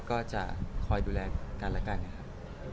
ก็จะคอยดูแลกันและกันนะครับ